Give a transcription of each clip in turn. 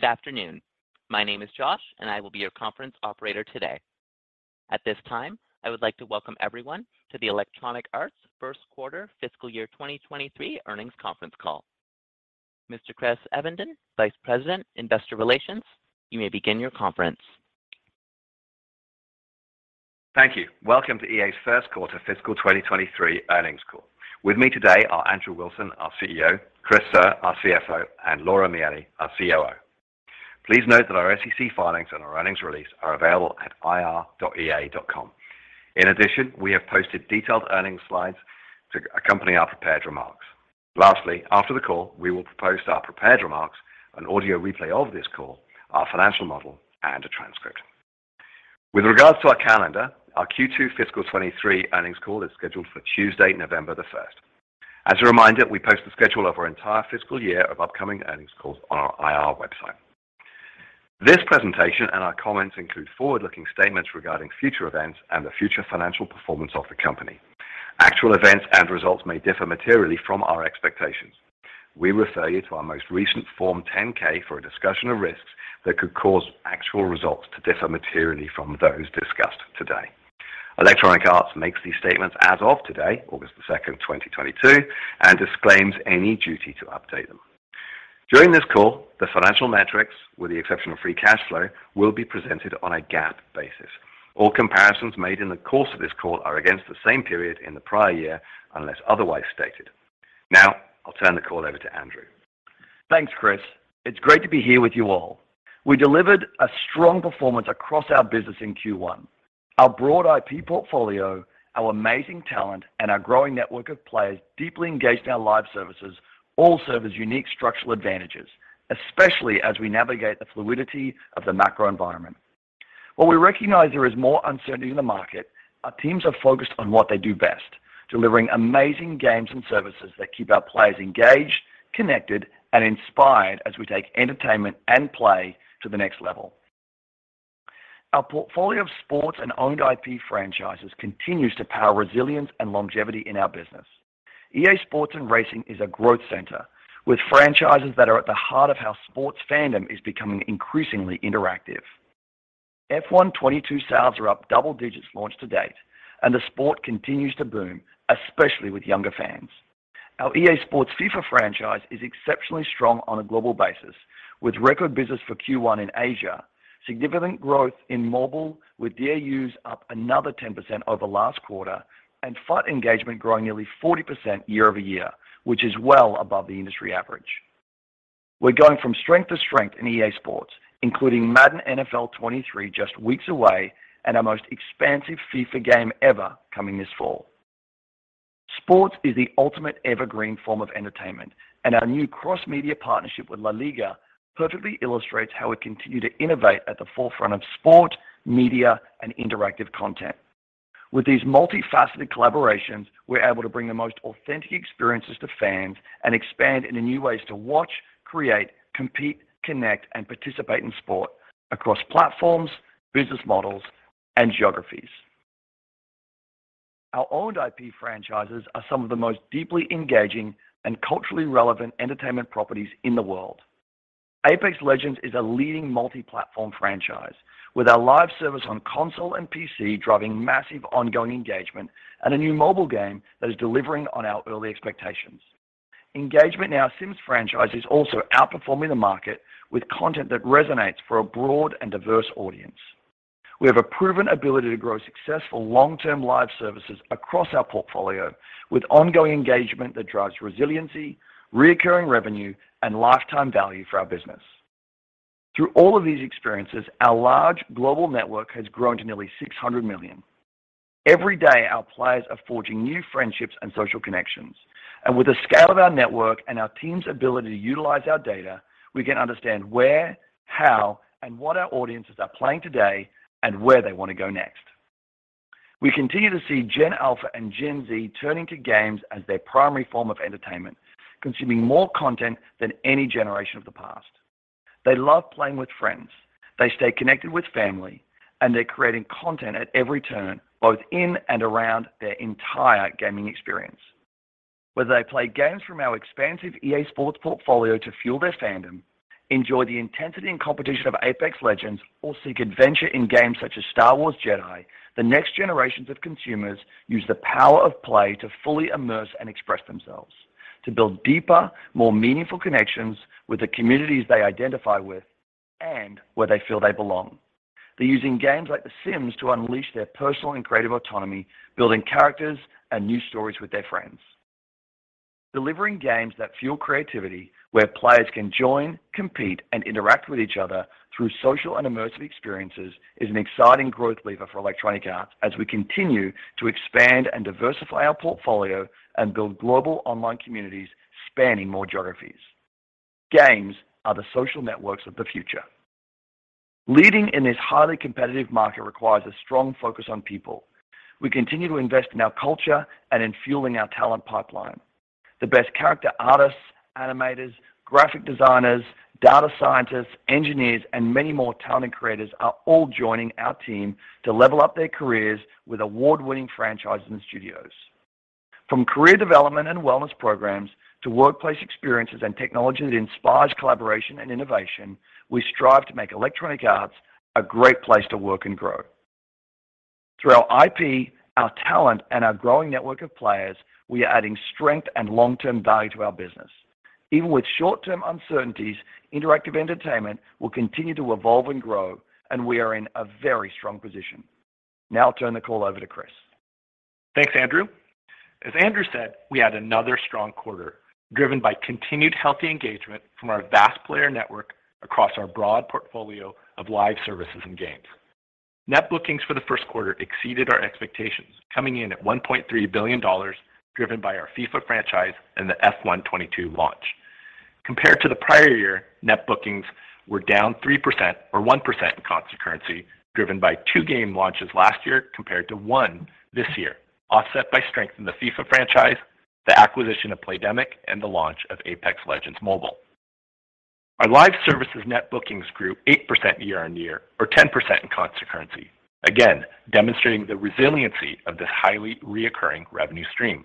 Good afternoon. My name is Josh, and I will be your conference operator today. At this time, I would like to welcome everyone to the Electronic Arts first Quarter Fiscal Year 2023 Earnings Conference Call. Mr. Chris Evenden, Vice President, Investor Relations, you may begin your conference. Thank you. Welcome to EA's First Quarter Fiscal 2023 Earnings Call. With me today are Andrew Wilson, our CEO, Chris Suh, our CFO, and Laura Miele, our COO. Please note that our SEC filings and our earnings release are available at ir.ea.com. In addition, we have posted detailed earnings slides to accompany our prepared remarks. Lastly, after the call, we will post our prepared remarks, an audio replay of this call, our financial model, and a transcript. With regards to our calendar, our Q2 fiscal 2023 earnings call is scheduled for Tuesday, November 1st. As a reminder, we post the schedule of our entire fiscal year of upcoming earnings calls on our IR website. This presentation and our comments include forward-looking statements regarding future events and the future financial performance of the company. Actual events and results may differ materially from our expectations. We refer you to our most recent Form 10-K for a discussion of risks that could cause actual results to differ materially from those discussed today. Electronic Arts makes these statements as of today, August 2nd, 2023, and disclaims any duty to update them. During this call, the financial metrics, with the exception of free cash flow, will be presented on a GAAP basis. All comparisons made in the course of this call are against the same period in the prior year, unless otherwise stated. Now, I'll turn the call over to Andrew. Thanks, Chris. It's great to be here with you all. We delivered a strong performance across our business in Q1. Our broad IP portfolio, our amazing talent, and our growing network of players deeply engaged in our live services all serve as unique structural advantages, especially as we navigate the fluidity of the macro environment. While we recognize there is more uncertainty in the market, our teams are focused on what they do best. Delivering amazing games and services that keep our players engaged, connected, and inspired as we take entertainment and play to the next level. Our portfolio of sports and owned IP franchises continues to power resilience and longevity in our business. EA SPORTS and Racing is a growth center with franchises that are at the heart of how sports fandom is becoming increasingly interactive. F1 22 sales are up double digits launch to date, and the sport continues to boom, especially with younger fans. Our EA SPORTS FIFA franchise is exceptionally strong on a global basis, with record business for Q1 in Asia, significant growth in mobile with DAUs up another 10% over last quarter, and FUT engagement growing nearly 40% year-over-year, which is well above the industry average. We're going from strength to strength in EA SPORTS, including Madden NFL 23 just weeks away and our most expansive FIFA game ever coming this fall. Sports is the ultimate evergreen form of entertainment, and our new cross-media partnership with LaLiga perfectly illustrates how we continue to innovate at the forefront of sport, media, and interactive content. With these multifaceted collaborations, we're able to bring the most authentic experiences to fans and expand into new ways to watch, create, compete, connect, and participate in sport across platforms, business models, and geographies. Our owned IP franchises are some of the most deeply engaging and culturally relevant entertainment properties in the world. Apex Legends is a leading multi-platform franchise, with our live service on console and PC driving massive ongoing engagement and a new mobile game that is delivering on our early expectations. Engagement in our Sims franchise is also outperforming the market with content that resonates for a broad and diverse audience. We have a proven ability to grow successful long-term live services across our portfolio with ongoing engagement that drives resiliency, recurring revenue, and lifetime value for our business. Through all of these experiences, our large global network has grown to nearly 600 million. Every day, our players are forging new friendships and social connections, and with the scale of our network and our team's ability to utilize our data, we can understand where, how, and what our audiences are playing today and where they want to go next. We continue to see Gen Alpha and Gen Z turning to games as their primary form of entertainment, consuming more content than any generation of the past. They love playing with friends, they stay connected with family, and they're creating content at every turn, both in and around their entire gaming experience. Whether they play games from our expansive EA SPORTS portfolio to fuel their fandom, enjoy the intensity and competition of Apex Legends, or seek adventure in games such as Star Wars Jedi, the next generations of consumers use the power of play to fully immerse and express themselves, to build deeper, more meaningful connections with the communities they identify with and where they feel they belong. They're using games like The Sims to unleash their personal and creative autonomy, building characters and new stories with their friends. Delivering games that fuel creativity, where players can join, compete, and interact with each other through social and immersive experiences is an exciting growth lever for Electronic Arts as we continue to expand and diversify our portfolio and build global online communities spanning more geographies. Games are the social networks of the future. Leading in this highly competitive market requires a strong focus on people. We continue to invest in our culture and in fueling our talent pipeline. The best character artists, animators, graphic designers, data scientists, engineers, and many more talent creators are all joining our team to level up their careers with award-winning franchises and studios. From career development and wellness programs to workplace experiences and technologies that inspires collaboration and innovation, we strive to make Electronic Arts a great place to work and grow. Through our IP, our talent, and our growing network of players, we are adding strength and long-term value to our business. Even with short-term uncertainties, interactive entertainment will continue to evolve and grow, and we are in a very strong position. Now I'll turn the call over to Chris. Thanks, Andrew. As Andrew said, we had another strong quarter, driven by continued healthy engagement from our vast player network across our broad portfolio of live services and games. Net bookings for the first quarter exceeded our expectations, coming in at $1.3 billion, driven by our FIFA franchise and the F1 22 launch. Compared to the prior year, net bookings were down 3% or 1% in constant currency, driven by 2 game launches last year compared to 1 this year, offset by strength in the FIFA franchise, the acquisition of Playdemic, and the launch of Apex Legends Mobile. Our live services net bookings grew 8% year-on-year or 10% in constant currency. Again, demonstrating the resiliency of this highly recurring revenue stream.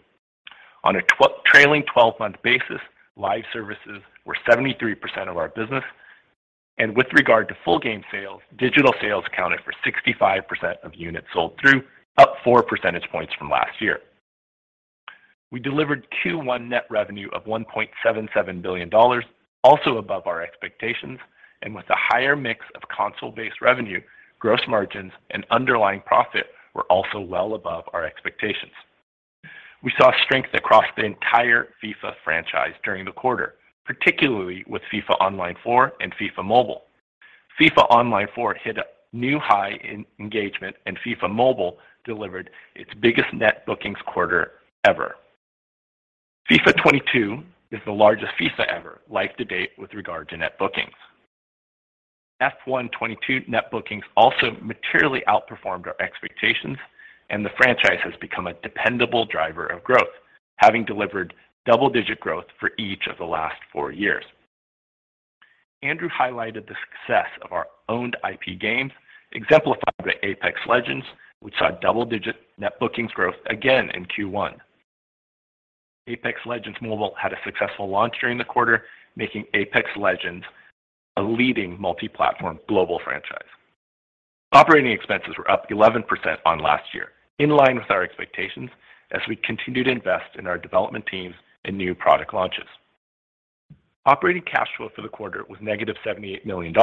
On a trailing twelve-month basis, live services were 73% of our business. With regard to full game sales, digital sales accounted for 65% of units sold through, up 4 percentage points from last year. We delivered Q1 net revenue of $1.77 billion, also above our expectations and with a higher mix of console-based revenue, gross margins and underlying profit were also well above our expectations. We saw strength across the entire FIFA franchise during the quarter, particularly with FIFA Online 4 and FIFA Mobile. FIFA Online 4 hit a new high in engagement, and FIFA Mobile delivered its biggest net bookings quarter ever. FIFA 22 is the largest FIFA ever life-to-date with regard to net bookings. F1 22 net bookings also materially outperformed our expectations, and the franchise has become a dependable driver of growth, having delivered double-digit growth for each of the last four years. Andrew highlighted the success of our owned IP games, exemplified by Apex Legends, which saw double-digit net bookings growth again in Q1. Apex Legends Mobile had a successful launch during the quarter, making Apex Legends a leading multi-platform global franchise. Operating expenses were up 11% on last year, in line with our expectations as we continue to invest in our development teams and new product launches. Operating cash flow for the quarter was negative $78 million,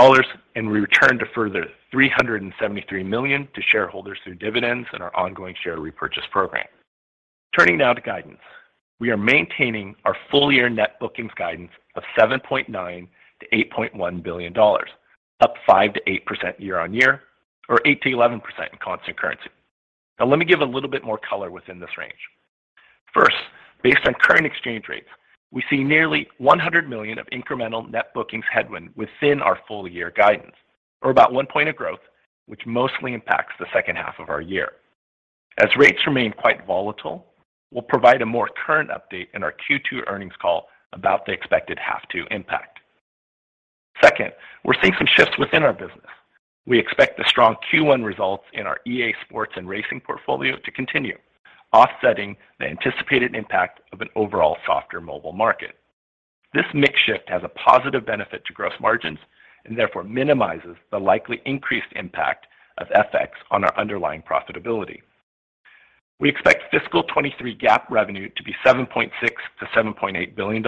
and we returned $373 million to shareholders through dividends and our ongoing share repurchase program. Turning now to guidance. We are maintaining our full year net bookings guidance of $7.9 billion-$8.1 billion, up 5%-8% year-on-year or 8%-11% in constant currency. Now let me give a little bit more color within this range. First, based on current exchange rates, we see nearly $100 million of incremental net bookings headwind within our full year guidance, or about 1 point of growth, which mostly impacts the second half of our year. As rates remain quite volatile, we'll provide a more current update in our Q2 earnings call about the expected FX impact. Second, we're seeing some shifts within our business. We expect the strong Q1 results in our EA SPORTS and racing portfolio to continue, offsetting the anticipated impact of an overall softer mobile market. This mix shift has a positive benefit to gross margins and therefore minimizes the likely increased impact of FX on our underlying profitability. We expect fiscal 2023 GAAP revenue to be $7.6 billion-$7.8 billion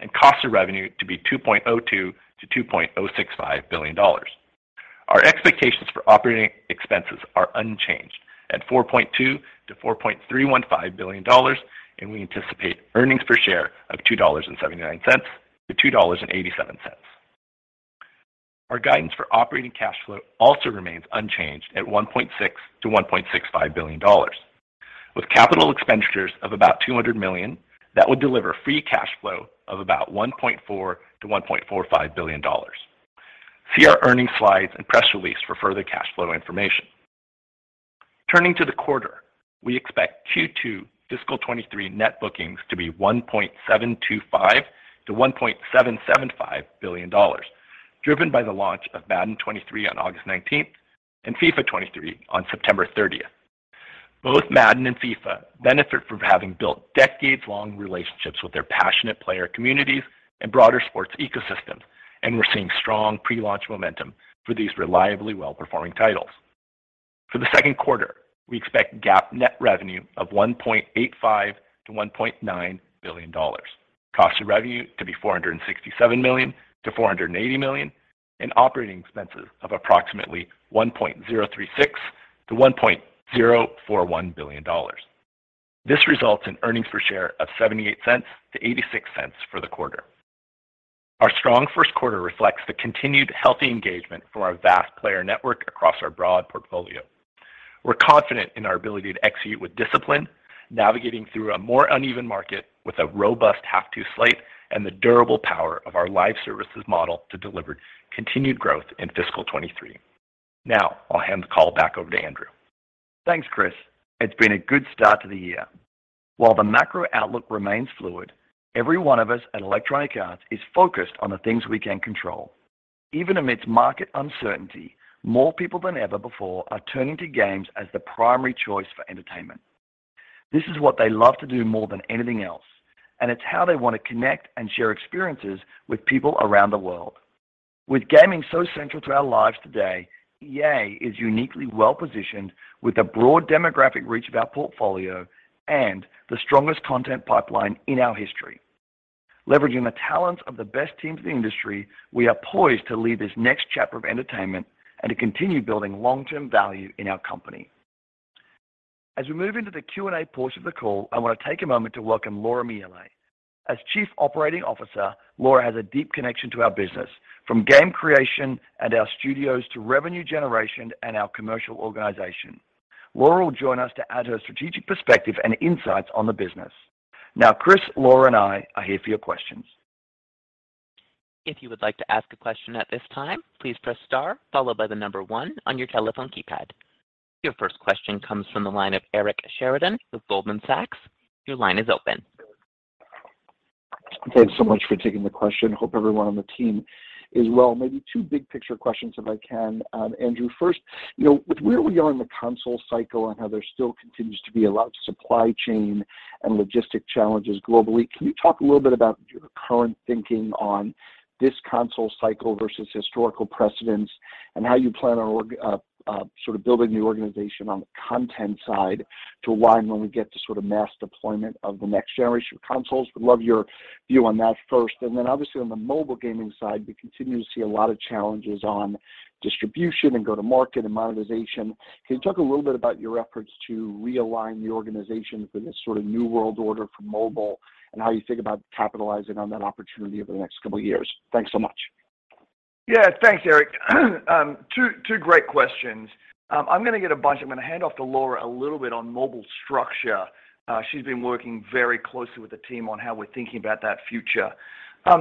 and cost of revenue to be $2.02 billion-$2.065 billion. Our expectations for operating expenses are unchanged at $4.2 billion-$4.315 billion, and we anticipate earnings per share of $2.79-$2.87. Our guidance for operating cash flow also remains unchanged at $1.6 billion-$1.65 billion. With capital expenditures of about $200 million, that would deliver free cash flow of about $1.4 billion-$1.45 billion. See our earnings slides and press release for further cash flow information. Turning to the quarter, we expect Q2 fiscal 2023 net bookings to be $1.725 billion-$1.775 billion, driven by the launch of Madden 23 on August 19th and FIFA 23 on September 30th. Both Madden and FIFA benefit from having built decades-long relationships with their passionate player communities and broader sports ecosystems, and we're seeing strong pre-launch momentum for these reliably well-performing titles. For the second quarter, we expect GAAP net revenue of $1.85 billion-$1.9 billion. Cost of revenue to be $467 million-$480 million, and operating expenses of approximately $1.036 billion-$1.041 billion. This results in earnings per share of $0.78-$0.86 for the quarter. Our strong first quarter reflects the continued healthy engagement from our vast player network across our broad portfolio. We're confident in our ability to execute with discipline, navigating through a more uneven market with a robust a half two slate and the durable power of our live services model to deliver continued growth in fiscal 2023. Now I'll hand the call back over to Andrew. Thanks, Chris. It's been a good start to the year. While the macro outlook remains fluid, every one of us at Electronic Arts is focused on the things we can control. Even amidst market uncertainty, more people than ever before are turning to games as the primary choice for entertainment. This is what they love to do more than anything else, and it's how they want to connect and share experiences with people around the world. With gaming so central to our lives today, EA is uniquely well-positioned with the broad demographic reach of our portfolio and the strongest content pipeline in our history. Leveraging the talents of the best teams in the industry, we are poised to lead this next chapter of entertainment and to continue building long-term value in our company. As we move into the Q&A portion of the call, I want to take a moment to welcome Laura Miele. As Chief Operating Officer, Laura has a deep connection to our business, from game creation and our studios to revenue generation and our commercial organization. Laura will join us to add her strategic perspective and insights on the business. Now, Chris, Laura, and I are here for your questions. If you would like to ask a question at this time, please press star followed by the number one on your telephone keypad. Your first question comes from the line of Eric Sheridan with Goldman Sachs. Your line is open. Thanks so much for taking the question. Hope everyone on the team is well. Maybe two big picture questions, if I can. Andrew, first, you know, with where we are in the console cycle and how there still continues to be a lot of supply chain and logistic challenges globally, can you talk a little bit about your current thinking on this console cycle versus historical precedents and how you plan on sort of building the organization on the content side to align when we get to sort of mass deployment of the next generation of consoles? Would love your view on that first. Obviously on the mobile gaming side, we continue to see a lot of challenges on distribution and go-to-market and monetization. Can you talk a little bit about your efforts to realign the organization for this sort of new world order for mobile and how you think about capitalizing on that opportunity over the next couple of years? Thanks so much. Yeah. Thanks, Eric. Two great questions. I'm going to get a bunch. I'm going to hand off to Laura a little bit on mobile structure. She's been working very closely with the team on how we're thinking about that future.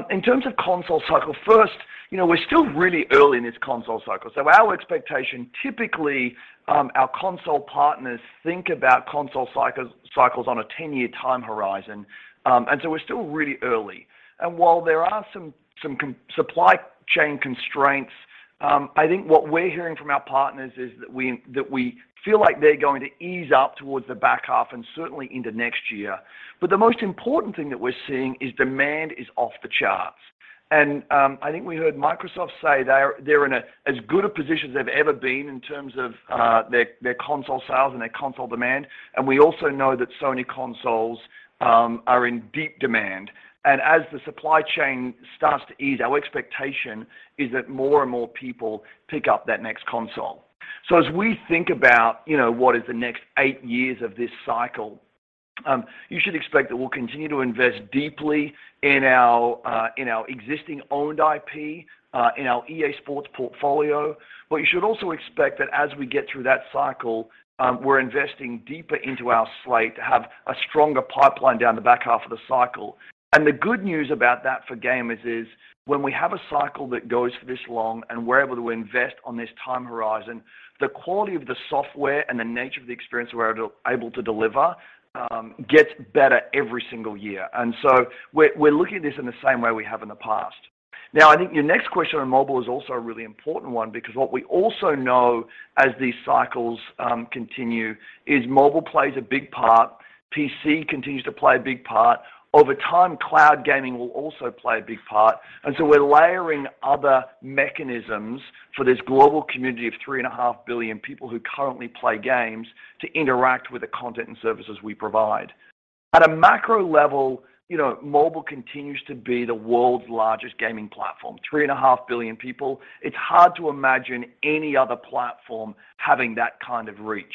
In terms of console cycle, first, you know, we're still really early in this console cycle. Our expectation, typically, our console partners think about console cycles on a 10-year time horizon, and we're still really early. While there are some console supply chain constraints, I think what we're hearing from our partners is that we feel like they're going to ease up towards the back half and certainly into next year. The most important thing that we're seeing is demand is off the charts. I think we heard Microsoft say they're in as good a position they've ever been in terms of their console sales and their console demand. We also know that Sony consoles are in deep demand. As the supply chain starts to ease, our expectation is that more and more people pick up that next console. As we think about, you know, what is the next eight years of this cycle, you should expect that we'll continue to invest deeply in our existing owned IP in our EA SPORTS portfolio. You should also expect that as we get through that cycle, we're investing deeper into our slate to have a stronger pipeline down the back half of the cycle. The good news about that for gamers is when we have a cycle that goes for this long and we're able to invest on this time horizon, the quality of the software and the nature of the experience we're able to deliver gets better every single year. We're looking at this in the same way we have in the past. Now, I think your next question on mobile is also a really important one because what we also know as these cycles continue is mobile plays a big part, PC continues to play a big part. Over time, cloud gaming will also play a big part, and so we're layering other mechanisms for this global community of 3.5 billion people who currently play games to interact with the content and services we provide. At a macro level, you know, mobile continues to be the world's largest gaming platform. 3.5 billion people, it's hard to imagine any other platform having that kind of reach.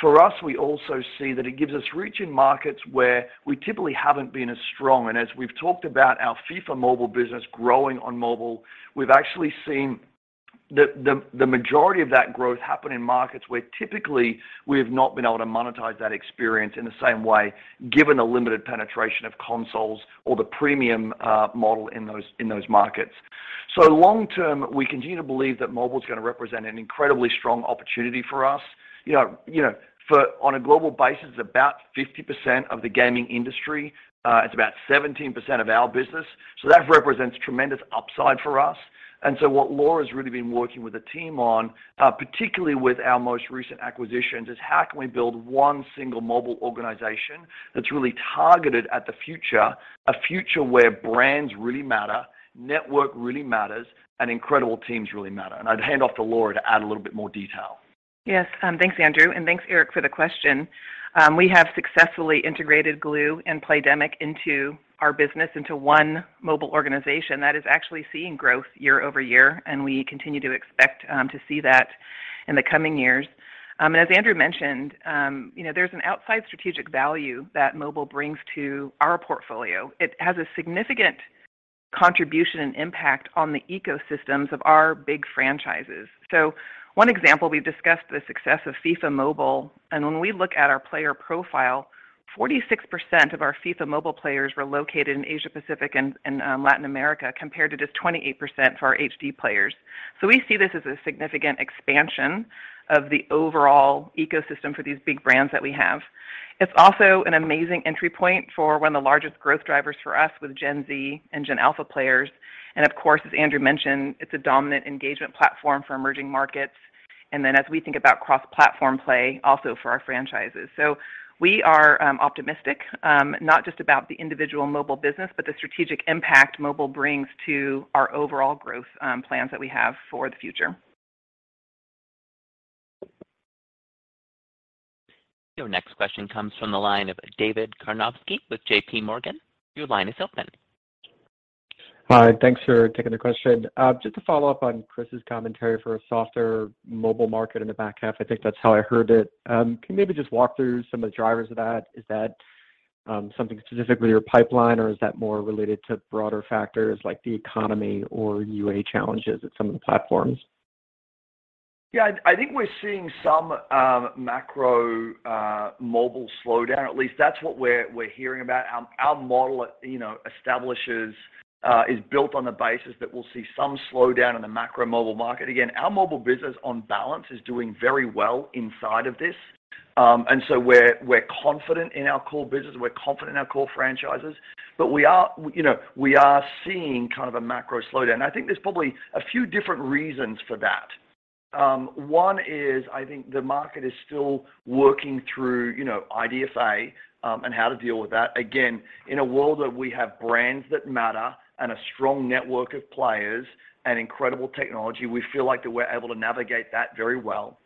For us, we also see that it gives us reach in markets where we typically haven't been as strong. As we've talked about our FIFA Mobile business growing on mobile, we've actually seen the majority of that growth happen in markets where typically we have not been able to monetize that experience in the same way, given the limited penetration of consoles or the premium model in those markets. Long term, we continue to believe that mobile is going to represent an incredibly strong opportunity for us. You know, on a global basis, it's about 50% of the gaming industry. It's about 17% of our business. That represents tremendous upside for us. What Laura has really been working with the team on, particularly with our most recent acquisitions, is how can we build one single mobile organization that's really targeted at the future, a future where brands really matter, network really matters, and incredible teams really matter. I'd hand off to Laura to add a little bit more detail. Yes. Thanks, Andrew, and thanks, Eric, for the question. We have successfully integrated Glu and Playdemic into our business, into one mobile organization that is actually seeing growth year-over-year, and we continue to expect to see that in the coming years. As Andrew mentioned, you know, there's an outsized strategic value that mobile brings to our portfolio. It has a significant contribution and impact on the ecosystems of our big franchises. One example, we've discussed the success of FIFA Mobile, and when we look at our player profile, 46% of our FIFA Mobile players were located in Asia Pacific and Latin America, compared to just 28% for our HD players. We see this as a significant expansion of the overall ecosystem for these big brands that we have. It's also an amazing entry point for one of the largest growth drivers for us with Gen Z and Gen Alpha players. Of course, as Andrew mentioned, it's a dominant engagement platform for emerging markets, and then as we think about cross-platform play also for our franchises. We are optimistic, not just about the individual mobile business, but the strategic impact mobile brings to our overall growth plans that we have for the future. Your next question comes from the line of David Karnovsky with JPMorgan. Your line is open. Hi, thanks for taking the question. Just to follow up on Chris's commentary for a softer mobile market in the back half, I think that's how I heard it. Can you maybe just walk through some of the drivers of that? Is that something specific with your pipeline or is that more related to broader factors like the economy or UA challenges at some of the platforms? Yeah. I think we're seeing some macro mobile slowdown, at least that's what we're hearing about. Our model, you know, is built on the basis that we'll see some slowdown in the macro mobile market. Again, our mobile business on balance is doing very well inside of this. We're confident in our core business. We're confident in our core franchises, but you know, we are seeing kind of a macro slowdown, and I think there's probably a few different reasons for that. One is I think the market is still working through, you know, IDFA, and how to deal with that. Again, in a world where we have brands that matter and a strong network of players and incredible technology, we feel like that we're able to navigate that very well.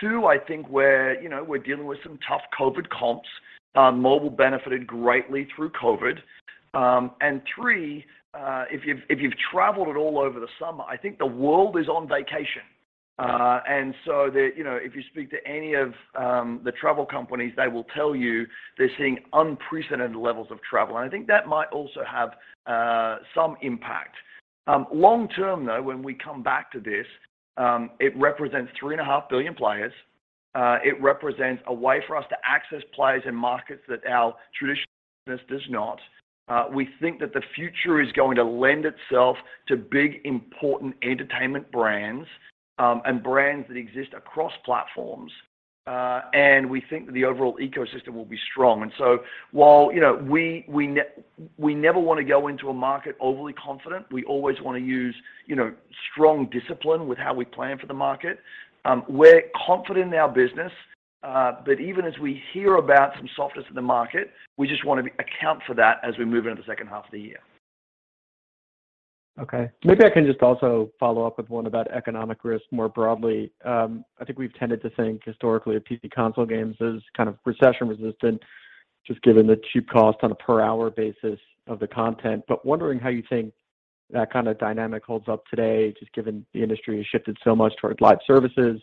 2, I think we're, you know, we're dealing with some tough COVID comps. Mobile benefited greatly through COVID. 3, if you've traveled at all over the summer, I think the world is on vacation. You know, if you speak to any of the travel companies, they will tell you they're seeing unprecedented levels of travel, and I think that might also have some impact. Long term though, when we come back to this, it represents 3.5 billion players. It represents a way for us to access players in markets that our traditional business does not. We think that the future is going to lend itself to big, important entertainment brands, and brands that exist across platforms. We think that the overall ecosystem will be strong. While, you know, we never want to go into a market overly confident, we always want to use, you know, strong discipline with how we plan for the market. We're confident in our business, but even as we hear about some softness in the market, we just want to account for that as we move into the second half of the year. Okay. Maybe I can just also follow up with one about economic risk more broadly. I think we've tended to think historically of PC console games as kind of recession resistant, just given the cheap cost on a per hour basis of the content. Wondering how you think that kind of dynamic holds up today, just given the industry has shifted so much towards live services,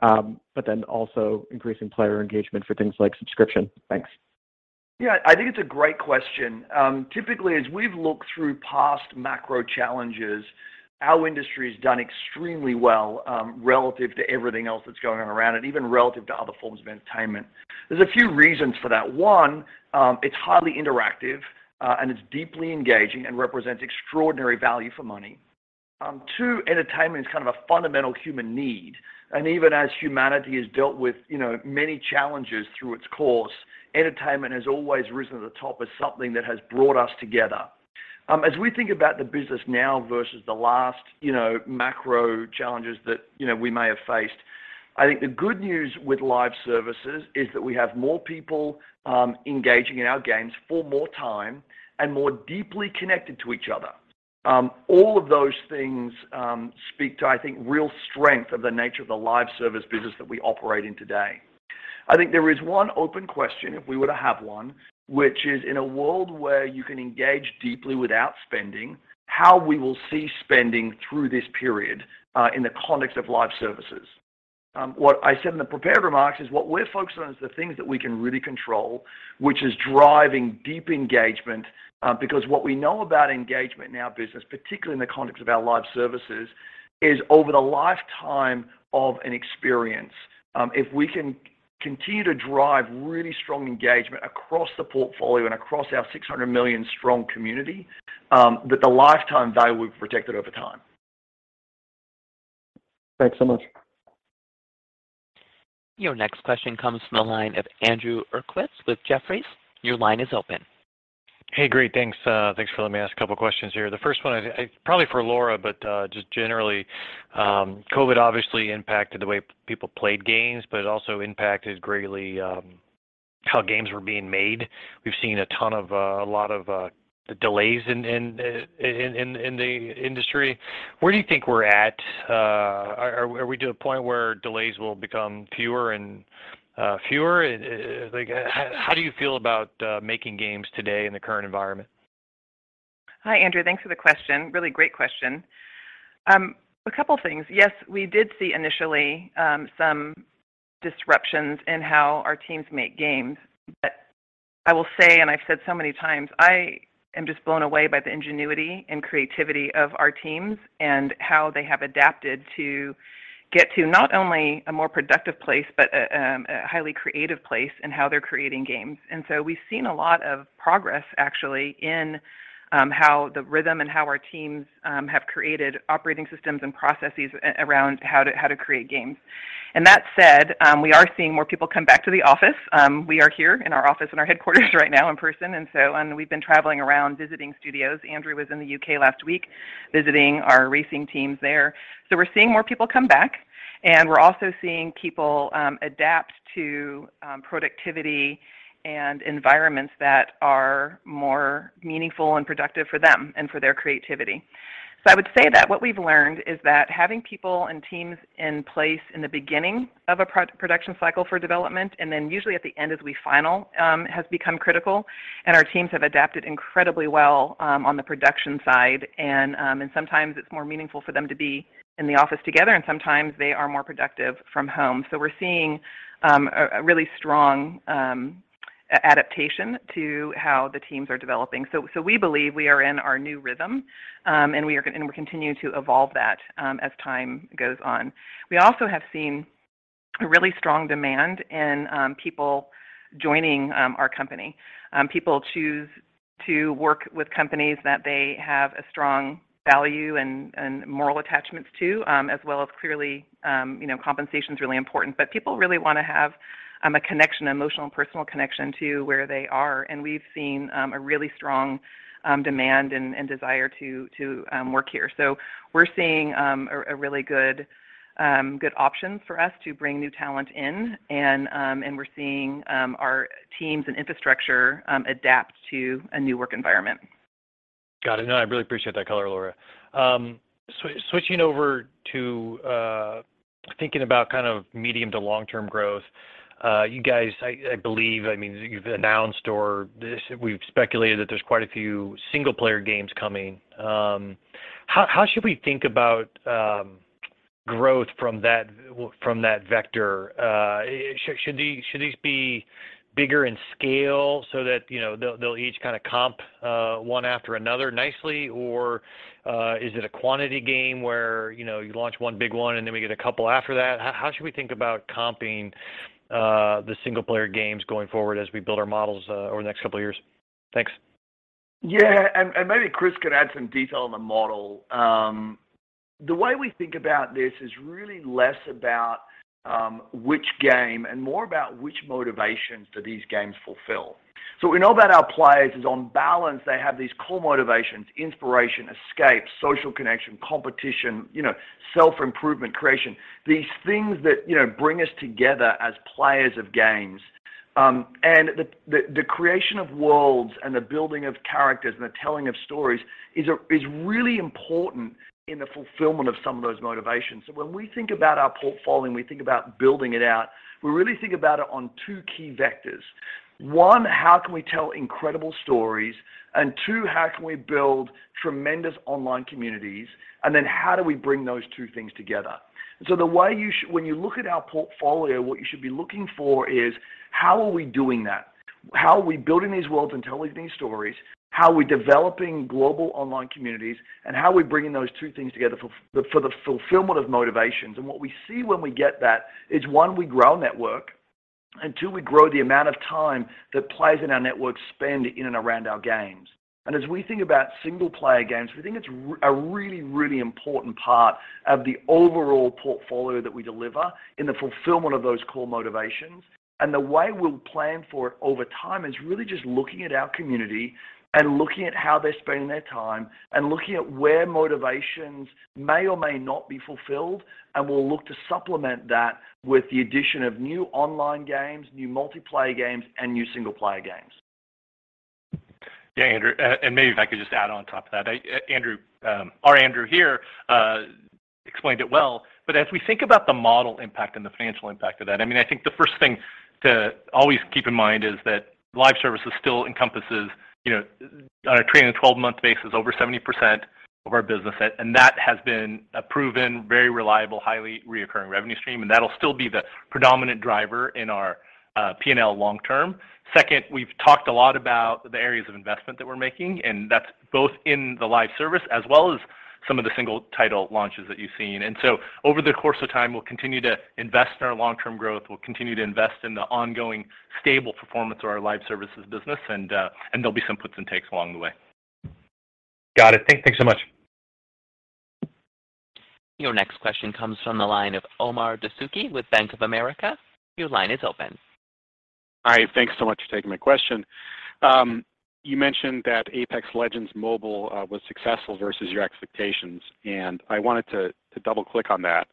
but then also increasing player engagement for things like subscription. Thanks. Yeah. I think it's a great question. Typically as we've looked through past macro challenges, our industry's done extremely well, relative to everything else that's going on around it, even relative to other forms of entertainment. There's a few reasons for that. One, it's highly interactive, and it's deeply engaging and represents extraordinary value for money. Two, entertainment is kind of a fundamental human need, and even as humanity has dealt with, you know, many challenges through its course, entertainment has always risen to the top as something that has brought us together. As we think about the business now versus the last, you know, macro challenges that, you know, we may have faced, I think the good news with live services is that we have more people engaging in our games for more time and more deeply connected to each other. All of those things speak to, I think, real strength of the nature of the live service business that we operate in today. I think there is one open question, if we were to have one, which is in a world where you can engage deeply without spending, how we will see spending through this period in the context of live services. What I said in the prepared remarks is what we're focused on is the things that we can really control, which is driving deep engagement. Because what we know about engagement in our business, particularly in the context of our live services, is over the lifetime of an experience, if we can continue to drive really strong engagement across the portfolio and across our 600 million-strong community, that the lifetime value will be protected over time. Thanks so much. Your next question comes from the line of Andrew Uerkwitz with Jefferies. Your line is open. Hey, great. Thanks for letting me ask a couple questions here. The first one probably for Laura, but just generally, COVID obviously impacted the way people played games, but it also impacted greatly how games were being made. We've seen a lot of delays in the industry. Where do you think we're at? Are we to a point where delays will become fewer and fewer? Like, how do you feel about making games today in the current environment? Hi, Andrew. Thanks for the question. Really great question. A couple things. Yes, we did see initially some disruptions in how our teams make games. I will say, and I've said so many times, I am just blown away by the ingenuity and creativity of our teams and how they have adapted to get to not only a more productive place, but a highly creative place in how they're creating games. We've seen a lot of progress actually in how the rhythm and how our teams have created operating systems and processes around how to create games. That said, we are seeing more people come back to the office. We are here in our office, in our headquarters right now in person. We've been traveling around visiting studios. Andrew was in the U.K. last week visiting our racing teams there. We're seeing more people come back, and we're also seeing people adapt to productivity and environments that are more meaningful and productive for them and for their creativity. I would say that what we've learned is that having people and teams in place in the beginning of a pre-production cycle for development and then usually at the end as we finalize has become critical, and our teams have adapted incredibly well on the production side. Sometimes it's more meaningful for them to be in the office together, and sometimes they are more productive from home. We're seeing a really strong adaptation to how the teams are developing. We believe we are in our new rhythm, and we continue to evolve that, as time goes on. We also have seen a really strong demand in people joining our company. People choose to work with companies that they have a strong value and moral attachments to, as well as clearly, you know, compensation's really important. People really wanna have a connection, emotional and personal connection to where they are, and we've seen a really strong demand and desire to work here. We're seeing a really good options for us to bring new talent in. We're seeing our teams and infrastructure adapt to a new work environment. Got it. No, I really appreciate that color, Laura. Switching over to thinking about kind of medium to long-term growth, you guys, I believe, I mean, you've announced or we've speculated that there's quite a few single player games coming. How should we think about growth from that vector? Should these be bigger in scale so that, you know, they'll each kind of comp one after another nicely? Or is it a quantity game where, you know, you launch one big one, and then we get a couple after that? How should we think about comping the single player games going forward as we build our models over the next couple of years? Thanks. Yeah. Maybe Chris could add some detail on the model. The way we think about this is really less about which game and more about which motivations do these games fulfill. What we know about our players is on balance, they have these core motivations, inspiration, escape, social connection, competition, you know, self-improvement, creation. These things that, you know, bring us together as players of games. The creation of worlds and the building of characters and the telling of stories is really important in the fulfillment of some of those motivations. When we think about our portfolio and we think about building it out, we really think about it on two key vectors. One, how can we tell incredible stories? Two, how can we build tremendous online communities? How do we bring those two things together? The way you, when you look at our portfolio, what you should be looking for is how are we doing that? How are we building these worlds and telling these stories? How are we developing global online communities? How are we bringing those two things together for the fulfillment of motivations? What we see when we get that is, one, we grow our network, and two, we grow the amount of time that players in our network spend in and around our games. As we think about single player games, we think it's a really, really important part of the overall portfolio that we deliver in the fulfillment of those core motivations. The way we'll plan for it over time is really just looking at our community and looking at how they're spending their time and looking at where motivations may or may not be fulfilled. We'll look to supplement that with the addition of new online games, new multiplayer games, and new single player games. Yeah, Andrew. Maybe if I could just add on top of that. Andrew, our Andrew here, explained it well. As we think about the model impact and the financial impact of that, I mean, I think the first thing to always keep in mind is that live services still encompasses, you know, on a trailing twelve-month basis, over 70% of our business. That has been a proven, very reliable, highly reoccurring revenue stream. That'll still be the predominant driver in our P&L long term. Second, we've talked a lot about the areas of investment that we're making, and that's both in the live service as well as some of the single title launches that you've seen. Over the course of time, we'll continue to invest in our long-term growth. We'll continue to invest in the ongoing stable performance of our live services business. There'll be some puts and takes along the way. Got it. Thanks so much. Your next question comes from the line of Omar Dessouky with Bank of America. Your line is open. Hi. Thanks so much for taking my question. You mentioned that Apex Legends Mobile was successful versus your expectations, and I wanted to double-click on that.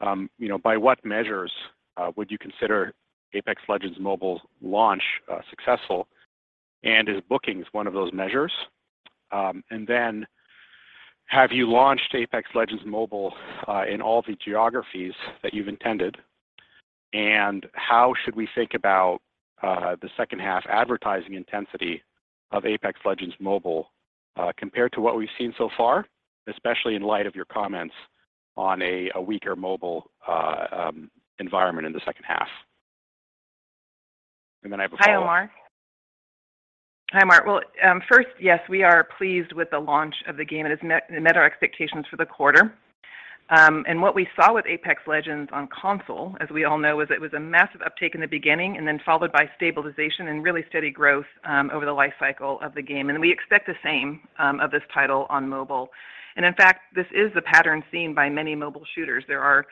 You know, by what measures would you consider Apex Legends Mobile's launch successful? And is bookings one of those measures? And then have you launched Apex Legends Mobile in all the geographies that you've intended? And how should we think about the second half advertising intensity of Apex Legends Mobile compared to what we've seen so far, especially in light of your comments on a weaker mobile environment in the second half? And then I have a follow up. Hi, Omar. Hi, Omar. Well, first, yes, we are pleased with the launch of the game. It has met our expectations for the quarter. What we saw with Apex Legends on console, as we all know, is it was a massive uptake in the beginning and then followed by stabilization and really steady growth over the life cycle of the game. We expect the same of this title on mobile. In fact, this is the pattern seen by many mobile shooters. There are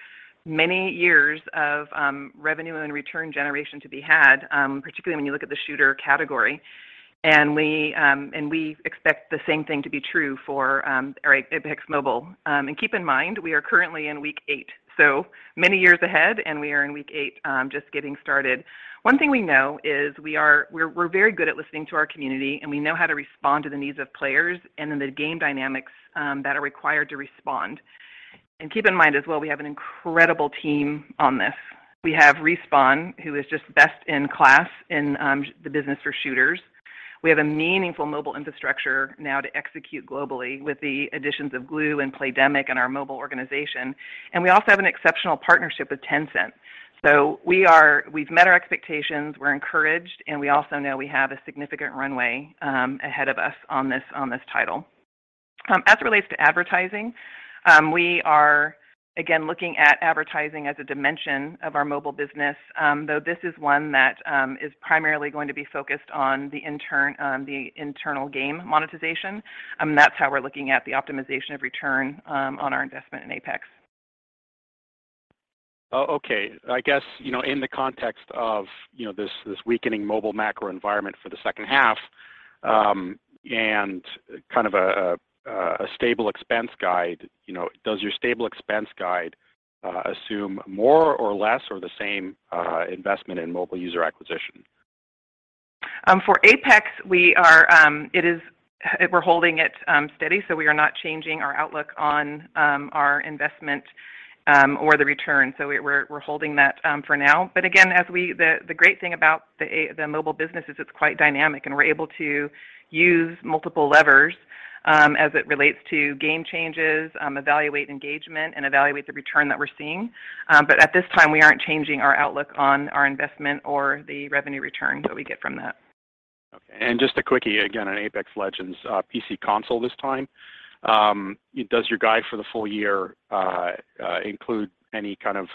many years of revenue and return generation to be had, particularly when you look at the shooter category. We expect the same thing to be true for Apex Mobile. Keep in mind, we are currently in week 8, so many years ahead and we are in week 8, just getting started. One thing we know is we are very good at listening to our community, and we know how to respond to the needs of players and then the game dynamics that are required to respond. Keep in mind as well, we have an incredible team on this. We have Respawn, who is just best in class in the business for shooters. We have a meaningful mobile infrastructure now to execute globally with the additions of Glu and Playdemic in our mobile organization, and we also have an exceptional partnership with Tencent. We have met our expectations, we are encouraged, and we also know we have a significant runway ahead of us on this title. As it relates to advertising, we are again looking at advertising as a dimension of our mobile business, though this is one that is primarily going to be focused on the internal game monetization. That's how we're looking at the optimization of return on our investment in Apex. Okay. I guess, you know, in the context of, you know, this weakening mobile macro environment for the second half, and kind of a stable expense guide, you know, does your stable expense guide assume more or less or the same investment in mobile user acquisition? For Apex, we're holding it steady, so we are not changing our outlook on our investment or the return. We're holding that for now. Again, the great thing about the mobile business is it's quite dynamic, and we're able to use multiple levers as it relates to game changes, evaluate engagement and evaluate the return that we're seeing. At this time, we aren't changing our outlook on our investment or the revenue return that we get from that. Just a quickie again on Apex Legends, PC console this time. Does your guidance for the full year include any kind of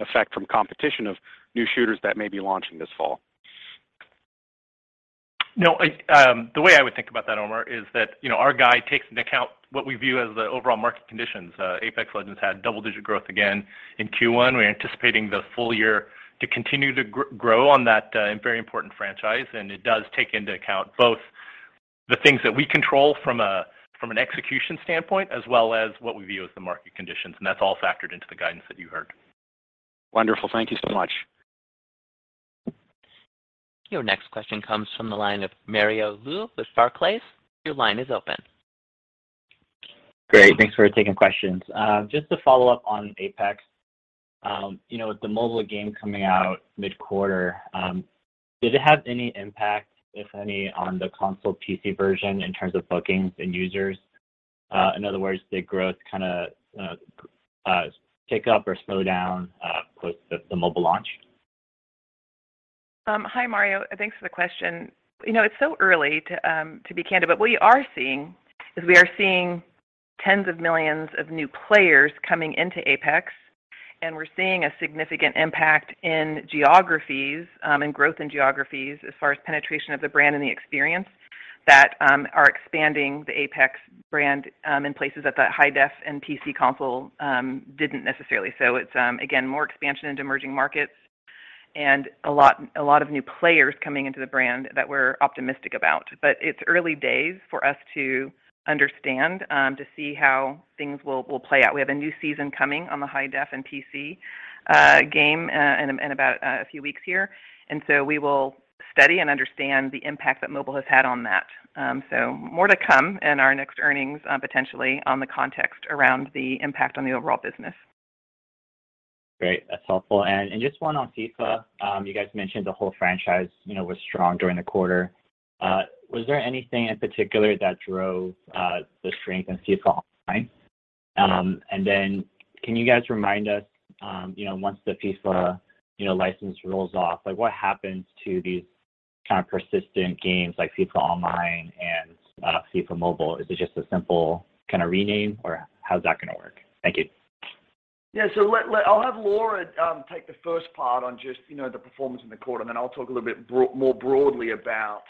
effect from competition of new shooters that may be launching this fall? No, I, the way I would think about that, Omar, is that, you know, our guidance takes into account what we view as the overall market conditions. Apex Legends had double-digit growth again in Q1. We're anticipating the full year to continue to grow on that, and very important franchise. It does take into account both the things that we control from an execution standpoint as well as what we view as the market conditions. That's all factored into the guidance that you heard. Wonderful. Thank you so much. Your next question comes from the line of Mario Lu with Barclays. Your line is open. Great. Thanks for taking questions. Just to follow up on Apex, you know, with the mobile game coming out mid-quarter, did it have any impact, if any, on the console PC version in terms of bookings and users? In other words, did growth kind of pick up or slow down post the mobile launch? Hi, Mario. Thanks for the question. You know, it's so early to be candid, but we are seeing tens of millions of new players coming into Apex, and we're seeing a significant impact in geographies in growth in geographies as far as penetration of the brand and the experience that are expanding the Apex brand in places that the high-end and PC console didn't necessarily. It's again, more expansion into emerging markets and a lot of new players coming into the brand that we're optimistic about. It's early days for us to understand to see how things will play out. We have a new season coming on the Apex and PC game in about a few weeks here, and so we will study and understand the impact that mobile has had on that. More to come in our next earnings, potentially in the context around the impact on the overall business. Great. That's helpful. Just one on FIFA. You guys mentioned the whole franchise, you know, was strong during the quarter. Was there anything in particular that drove the strength in FIFA Online? Then can you guys remind us, you know, once the FIFA, you know, license rolls off, like what happens to these kind of persistent games like FIFA Online and FIFA Mobile? Is it just a simple kind of rename or how's that gonna work? Thank you. I'll have Laura take the first part on just, you know, the performance in the quarter, and then I'll talk a little bit more broadly about,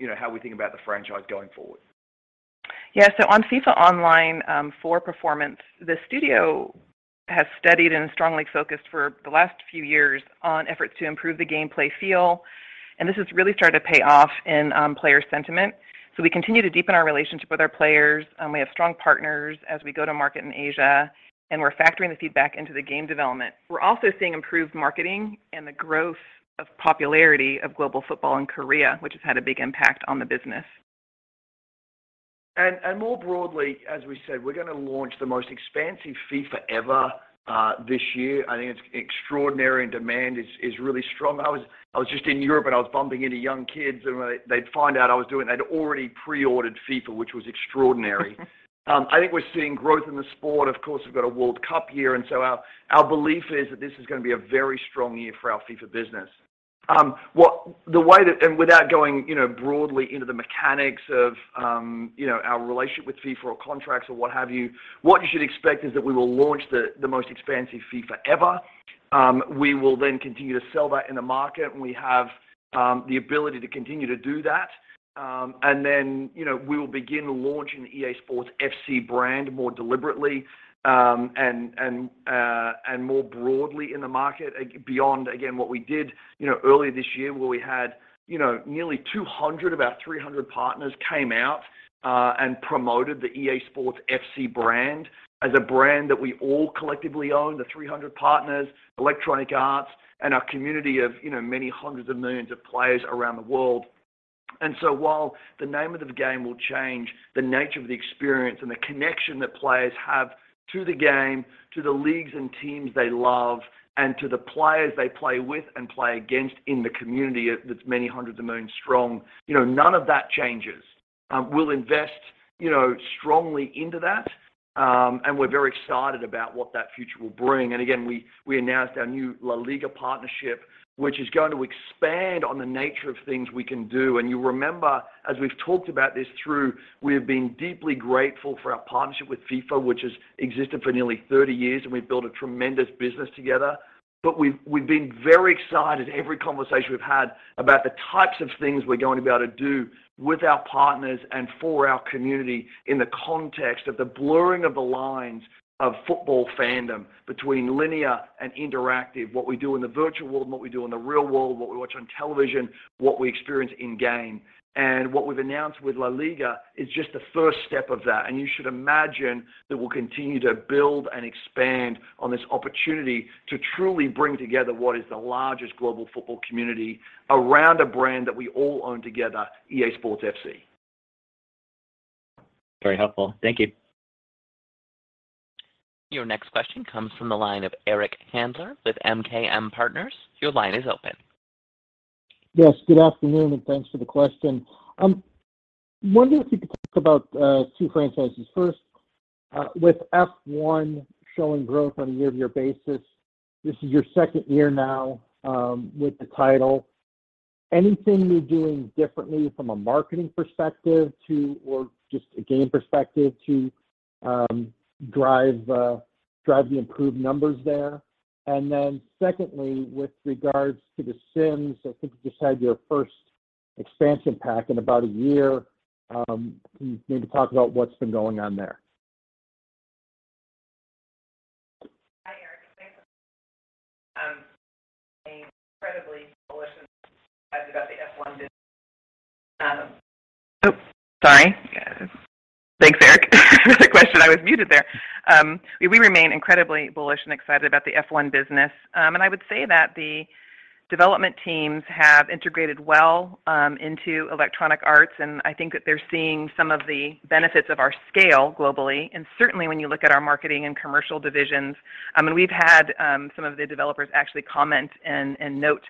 you know, how we think about the franchise going forward. Yeah. On FIFA Online, for performance, the studio has studied and strongly focused for the last few years on efforts to improve the gameplay feel, and this has really started to pay off in player sentiment. We continue to deepen our relationship with our players, we have strong partners as we go to market in Asia, and we're factoring the feedback into the game development. We're also seeing improved marketing and the growth of popularity of global football in Korea, which has had a big impact on the business. More broadly, as we said, we're gonna launch the most expansive FIFA ever this year. I think it's extraordinary and demand is really strong. I was just in Europe and I was bumping into young kids, and when they'd find out I was doing, they'd already pre-ordered FIFA, which was extraordinary. I think we're seeing growth in the sport. Of course, we've got a World Cup year. Our belief is that this is gonna be a very strong year for our FIFA business. Without going, you know, broadly into the mechanics of, you know, our relationship with FIFA or contracts or what have you, what you should expect is that we will launch the most expansive FIFA ever. We will then continue to sell that in the market, and we have the ability to continue to do that. Then, you know, we will begin launching the EA SPORTS FC brand more deliberately and more broadly in the market beyond, again, what we did, you know, earlier this year, where we had, you know, nearly 200, about 300 partners came out and promoted the EA SPORTS FC brand as a brand that we all collectively own, the 300 partners, Electronic Arts, and our community of, you know, many hundreds of millions of players around the world. While the name of the game will change, the nature of the experience and the connection that players have to the game, to the leagues and teams they love, and to the players they play with and play against in the community that's many hundreds of millions strong, you know, none of that changes. We'll invest, you know, strongly into that, and we're very excited about what that future will bring. Again, we announced our new LaLiga partnership, which is going to expand on the nature of things we can do. You remember, as we've talked about this through, we have been deeply grateful for our partnership with FIFA, which has existed for nearly 30 years, and we've built a tremendous business together. We've been very excited, every conversation we've had, about the types of things we're going to be able to do with our partners and for our community in the context of the blurring of the lines of football fandom between linear and interactive, what we do in the virtual world and what we do in the real world, what we watch on television, what we experience in-game. What we've announced with LaLiga is just the first step of that. You should imagine that we'll continue to build and expand on this opportunity to truly bring together what is the largest global football community around a brand that we all own together, EA SPORTS FC. Very helpful. Thank you. Your next question comes from the line of Eric Handler with MKM Partners. Your line is open. Yes, good afternoon, and thanks for the question. Wondering if you could talk about two franchises. First, with F1 showing growth on a year-over-year basis, this is your second year now with the title. Anything you're doing differently from a marketing perspective or just a game perspective to drive the improved numbers there? Secondly, with regards to The Sims, I think you just had your first expansion pack in about a year. Maybe talk about what's been going on there. Hi, Eric. Thanks. Oops, sorry. Thanks, Eric for the question. I was muted there. We remain incredibly bullish and excited about the F1 business. I would say that the development teams have integrated well into Electronic Arts, and I think that they're seeing some of the benefits of our scale globally. Certainly when you look at our marketing and commercial divisions, I mean, we've had some of the developers actually comment and note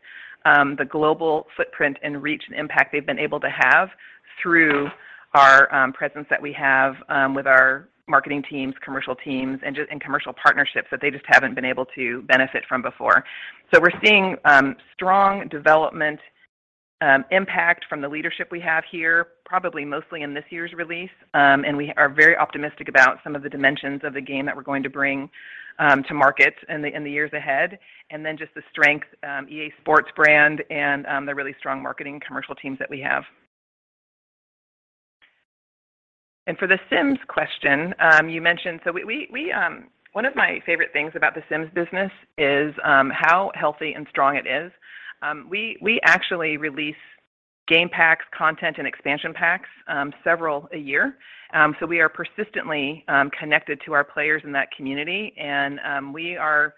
the global footprint and reach and impact they've been able to have through our presence that we have with our marketing teams, commercial teams, and commercial partnerships that they just haven't been able to benefit from before. We're seeing strong development impact from the leadership we have here, probably mostly in this year's release. We are very optimistic about some of the dimensions of the game that we're going to bring to market in the years ahead. Then just the strength EA SPORTS brand and the really strong marketing commercial teams that we have. For The Sims question you mentioned so we one of my favorite things about The Sims business is how healthy and strong it is. We actually release game packs, content, and expansion packs several a year. We are persistently connected to our players in that community. We are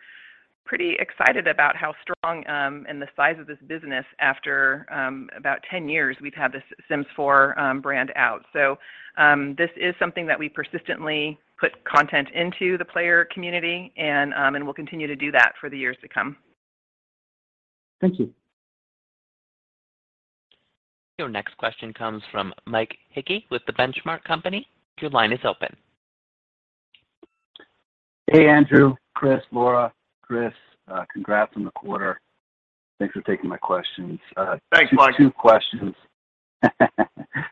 pretty excited about how strong and the size of this business after about 10 years we've had this The Sims 4 brand out. This is something that we persistently put content into the player community and we'll continue to do that for the years to come. Thank you. Your next question comes from Mike Hickey with The Benchmark Company. Your line is open. Hey, Andrew, Chris, Laura, Chris. Congrats on the quarter. Thanks for taking my questions. Thanks, Mike. Two questions.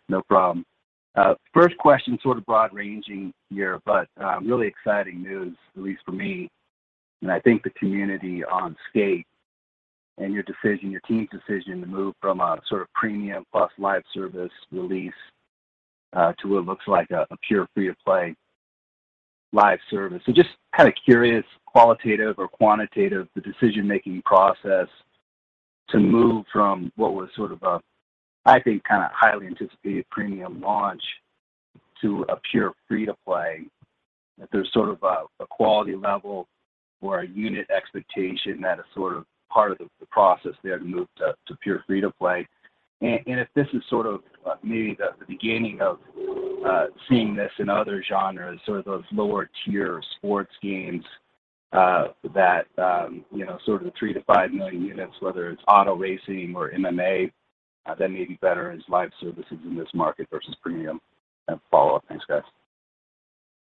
No problem. First question, sort of broad-ranging here, but really exciting news, at least for me, and I think the community on skate. and your decision, your team's decision to move from a sort of premium plus live service release to what looks like a pure free-to-play live service. Just kind of curious, qualitative or quantitative, the decision-making process to move from what was sort of a, I think, kind of highly anticipated premium launch to a pure free-to-play. If there's sort of a quality level or a unit expectation that is sort of part of the process there to move to pure free-to-play. If this is sort of maybe the beginning of seeing this in other genres, sort of those lower tier sports games that you know sort of the 3-5 million units, whether it's auto racing or MMA, that maybe better as live services in this market versus premium. Follow up. Thanks, guys.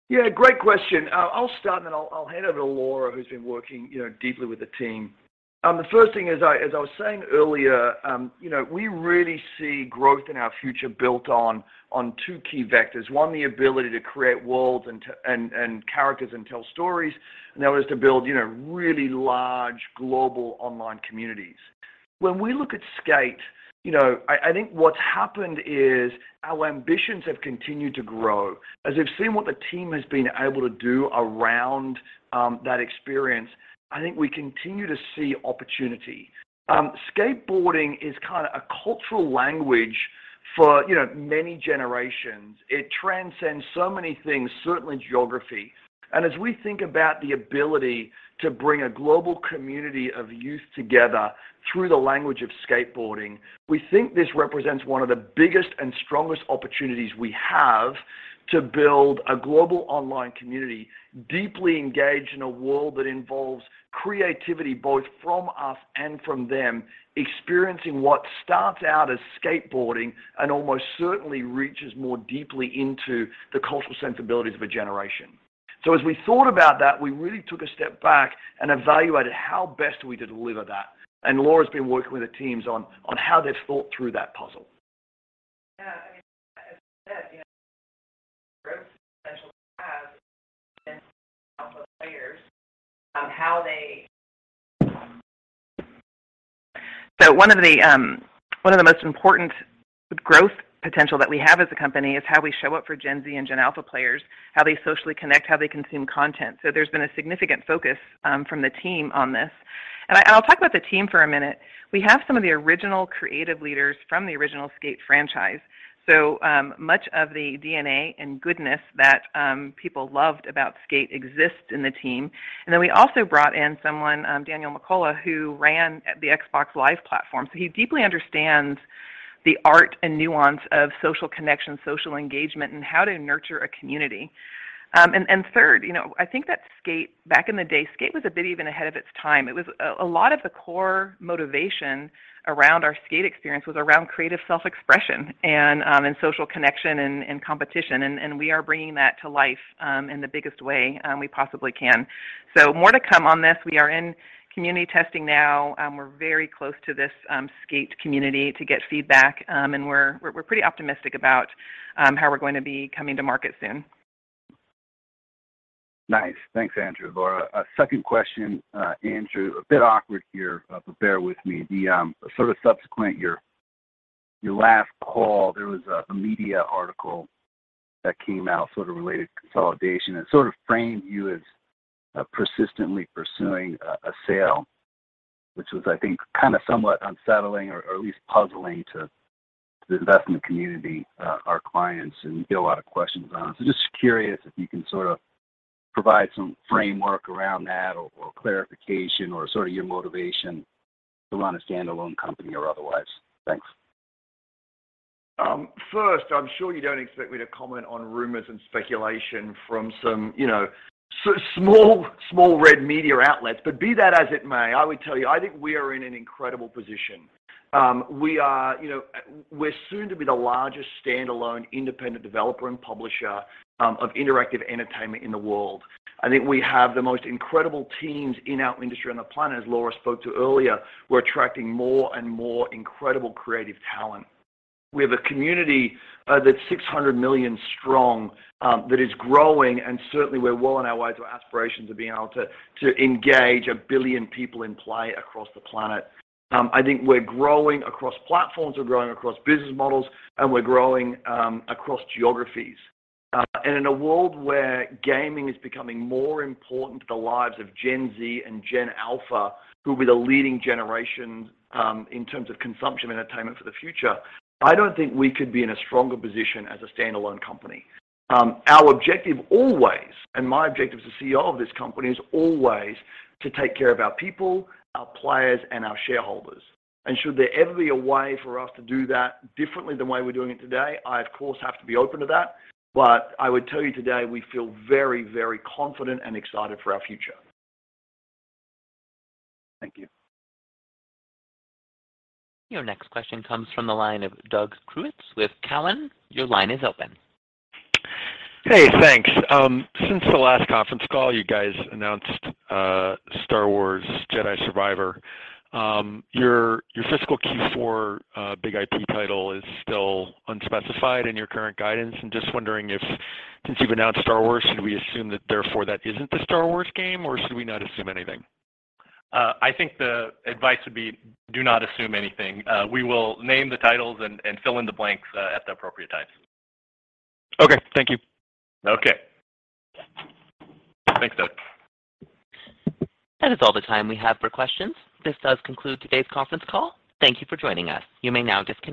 Yeah, great question. I'll start, then I'll hand it over to Laura, who's been working, you know, deeply with the team. The first thing is, as I was saying earlier, you know, we really see growth in our future built on two key vectors. One, the ability to create worlds and characters and tell stories. The other is to build, you know, really large global online communities. When we look at Skate, you know, I think what's happened is our ambitions have continued to grow. As we've seen what the team has been able to do around that experience, I think we continue to see opportunity. Skateboarding is kind of a cultural language for, you know, many generations. It transcends so many things, certainly geography. As we think about the ability to bring a global community of youth together through the language of skateboarding, we think this represents one of the biggest and strongest opportunities we have to build a global online community deeply engaged in a world that involves creativity, both from us and from them, experiencing what starts out as skateboarding and almost certainly reaches more deeply into the cultural sensibilities of a generation. We thought about that, we really took a step back and evaluated how best do we deliver that. Laura's been working with the teams on how they've thought through that puzzle. Yeah. I mean, as you said, you know, one of the most important growth potential that we have as a company is how we show up for Gen Z and Gen Alpha players, how they socially connect, how they consume content. There's been a significant focus from the team on this. I'll talk about the team for a minute. We have some of the original creative leaders from the original Skate franchise, so much of the DNA and goodness that people loved about Skate exists in the team. Then we also brought in someone, Dan McCulloch, who ran the Xbox Live platform, so he deeply understands the art and nuance of social connection, social engagement, and how to nurture a community. Third, you know, I think that skate. back in the day, skate. was a bit even ahead of its time. It was a lot of the core motivation around our skate. experience was around creative self-expression and social connection and competition. We are bringing that to life in the biggest way we possibly can. More to come on this. We are in community testing now. We're very close to this skate. community to get feedback. We're pretty optimistic about how we're going to be coming to market soon. Nice. Thanks, Andrew. Laura, a second question. Andrew, a bit awkward here, but bear with me. The sort of subsequent to your last call, there was a media article that came out sort of related to consolidation. It sort of framed you as persistently pursuing a sale, which was, I think, kind of somewhat unsettling or at least puzzling to the investment community, our clients, and we get a lot of questions on it. Just curious if you can sort of provide some framework around that or clarification or sort of your motivation to run a standalone company or otherwise. Thanks. First, I'm sure you don't expect me to comment on rumors and speculation from some, you know, small-red media outlets, but be that as it may, I would tell you I think we are in an incredible position. We are, you know. We're soon to be the largest standalone independent developer and publisher of interactive entertainment in the world. I think we have the most incredible teams in our industry on the planet. As Laura spoke to earlier, we're attracting more and more incredible creative talent. We have a community that's 600 million strong that is growing and certainly we're well on our way to aspirations of being able to engage 1 billion people in play across the planet. I think we're growing across platforms, we're growing across business models, and we're growing across geographies. In a world where gaming is becoming more important to the lives of Gen Z and Gen Alpha, who'll be the leading generation in terms of consumption and entertainment for the future, I don't think we could be in a stronger position as a standalone company. Our objective always, and my objective as the CEO of this company is always to take care of our people, our players, and our shareholders. Should there ever be a way for us to do that differently than the way we're doing it today, I of course have to be open to that. I would tell you today we feel very, very confident and excited for our future. Thank you. Your next question comes from the line of Doug Creutz with Cowen. Your line is open. Hey, thanks. Since the last conference call, you guys announced Star Wars Jedi: Survivor. Your fiscal Q4 big IP title is still unspecified in your current guidance. I'm just wondering if, since you've announced Star Wars, should we assume that therefore that isn't the Star Wars game, or should we not assume anything? I think the advice would be do not assume anything. We will name the titles and fill in the blanks at the appropriate times. Okay. Thank you. Okay. Thanks, Doug. That is all the time we have for questions. This does conclude today's conference call. Thank you for joining us. You may now disconnect.